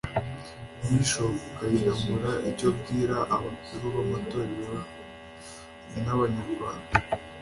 Bishop Kayinamura icyo abwira abakuru b’amatorero n’abanyarwanda